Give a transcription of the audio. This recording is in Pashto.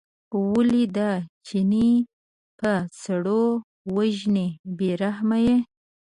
ولې دا چینی په سړو وژنې بې رحمه یې.